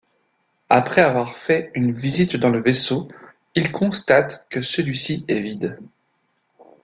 Après avoir fait une visite dans le vaisseau, ils constatent que celui-ci est vide.